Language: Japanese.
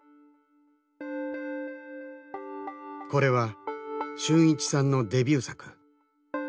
これは春一さんのデビュー作。